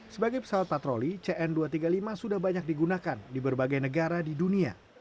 sebagai pesawat patroli cn dua ratus tiga puluh lima sudah banyak digunakan di berbagai negara di dunia